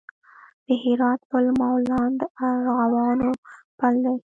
د هرات پل مالان د ارغوانو پل دی